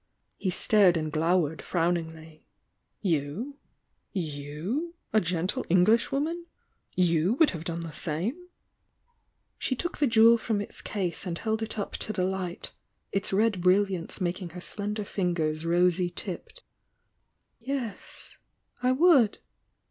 He stared and glowered frowningly. "You? You, — a gentle Englishwoman? — you would have done the same?" She took the jewel from its case and held it up to the light, its red brilliance making her slender fingers rosy tipped. "Yes, I would!"